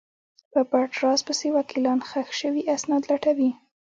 په پټ راز پسې وکیلان ښخ شوي اسناد لټوي.